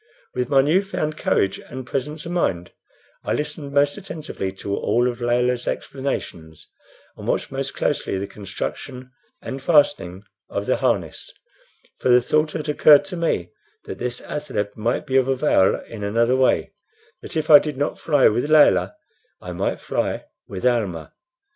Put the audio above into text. With my new found courage and presence of mind I listened most attentively to all of Layelah's explanations, and watched most closely the construction and fastening of the harness; for the thought had occurred to me that this athaleb might be of avail in another way that if I did not fly with Layelah, I might fly with Almah.